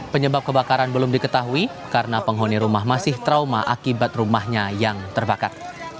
penyebab kebakaran belum diketahui karena penghuni rumah masih trauma akibat rumahnya yang terbakar